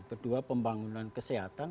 kedua pembangunan kesehatan